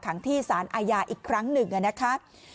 ขังที่สารอาญาอีกครั้งหนึ่งนะครับ